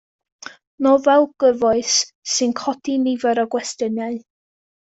Nofel gyfoes, sy'n codi nifer o gwestiynau.